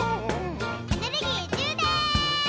エネルギーじゅうでん！